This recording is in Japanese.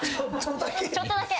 ちょっとだけ。